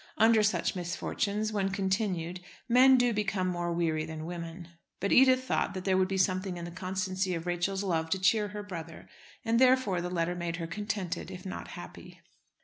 Under such misfortunes, when continued, men do become more weary than women. But Edith thought there would be something in the constancy of Rachel's love to cheer her brother, and therefore the letter made her contented if not happy.